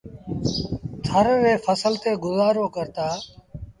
ٿر ري ڦسل تي گزآرو ڪرتآ۔